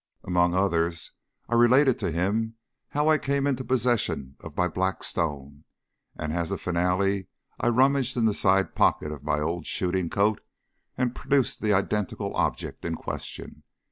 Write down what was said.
Among others I related to him how I came into the possession of my black stone, and as a finale I rummaged in the side pocket of my old shooting coat and produced the identical object in question.